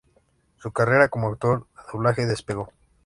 Su carrera como actor de doblaje despegó.